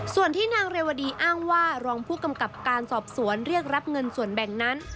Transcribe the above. ส่วนที่นางเรวดีอ้างว่ารองผู้กำกับการสอบสวนเรียกรับเงินส่วนแบ่งนั้น